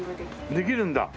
できるんだ。